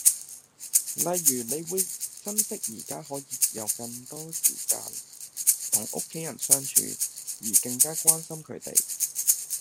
例如你會珍惜宜家可以有更多時間同屋企人相處而更加關心佢哋